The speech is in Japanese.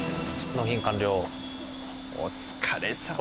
お疲れさまです。